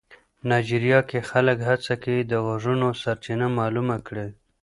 نایجیریا کې خلک هڅه کوي د غږونو سرچینه معلومه کړي.